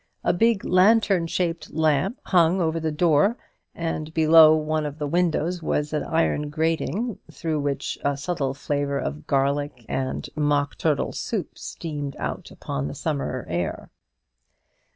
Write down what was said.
A big lantern shaped lamp hung over the door, and below one of the windows was an iron grating, through which a subtle flavour of garlic and mock turtle soup steamed out upon the summer air.